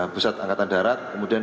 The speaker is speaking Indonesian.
pusat angkatan darat kemudian